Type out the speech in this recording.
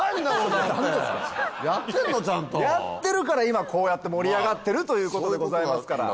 やってるから今こうやって盛り上がってるということでございますから。